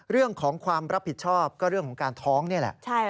เรื่องของความรับผิดชอบก็เรื่องของการท้องนี่แหละ